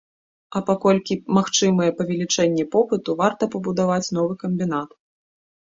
А паколькі магчымае павелічэнне попыту, варта пабудаваць новы камбінат.